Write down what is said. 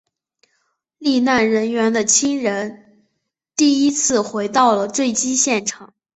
罹难人员的亲人第一次回到了坠机现场。